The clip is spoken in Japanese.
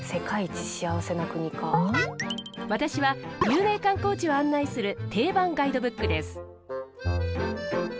私は有名観光地を案内する定番ガイドブックです。